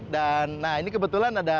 dan nah ini kebetulan ada